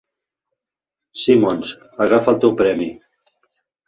Simmons, agafa el teu premi.